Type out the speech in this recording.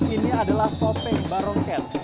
ini adalah popeng barong cat